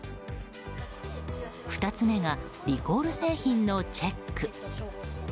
２つ目がリコール製品のチェック。